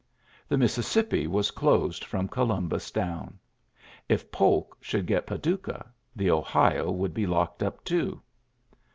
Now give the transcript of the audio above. The Mississippi ^ closed from Columbus down. If Pc should get Paducah, the Ohio would locked up too.